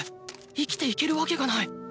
生きていけるわけがない！